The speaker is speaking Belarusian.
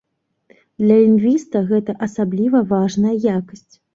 Для лінгвіста гэта асабліва важная якасць.